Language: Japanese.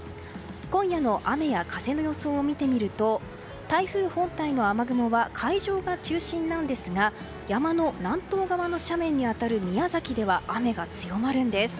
今夜の雨や風の予想を見てみると台風本体の雨雲は海上が中心なんですが山の南東側の斜面に当たる宮崎では雨が強まるんです。